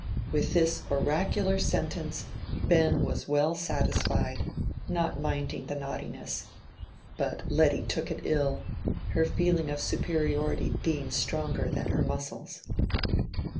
With this oracular sentence Ben was well satisfied, not minding the naughtiness; but Letty took it ill, her feeling of superiority being stronger than her muscles.